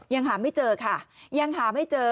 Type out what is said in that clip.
ยังหาไม่เจอค่ะยังหาไม่เจอ